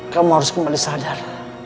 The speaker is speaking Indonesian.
kamu harus kembali sadar